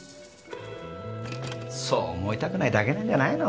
そう思いたくないだけなんじゃないの？